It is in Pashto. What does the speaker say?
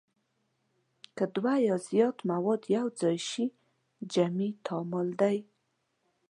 که دوه یا زیات مواد یو ځای شي جمعي تعامل دی.